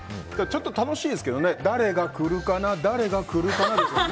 楽しいですけどね誰が来るかな、誰が来るかなで。